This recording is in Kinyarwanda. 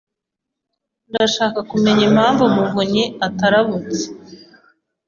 Ndashaka kumenya impamvu Muvunnyi atarubatse.